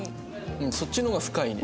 うんそっちの方が深いね。